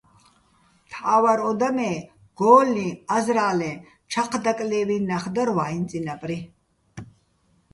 მთა́ვარ ო და მე გო́ლლი, აზრა́ლეჼ, ჩაჴ დაკლე́ვი́ნი ნახ დარ ვაიჼ წინაპრი.